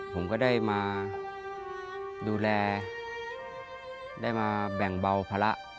ผมก็ได้มาดูแลได้มาแบ่งเบาภาระ